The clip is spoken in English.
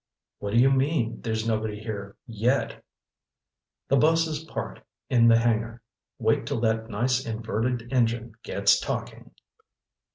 "What do you mean, there's nobody here yet?" "The bus is parked in the hangar. Wait till that nice inverted engine gets talking!"